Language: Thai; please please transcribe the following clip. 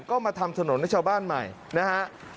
ก็มาทำถนนให้ชาวบ้านใหม่นะฮะ